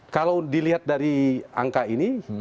kalau dilihat dari angka ini